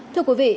thưa quý vị